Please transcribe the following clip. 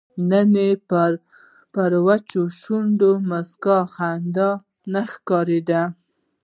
نن یې پر وچو شونډو مسته خندا نه ښکاریږي